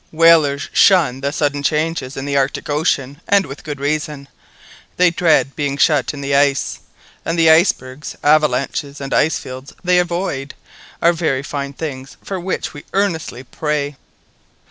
Whalers shun the sudden changes in the Arctic Ocean, and with good reason. They dread being shut in the ice; and the icebergs, avalanches, and, ice fields they avoid, are the very things for which we earnestly pray."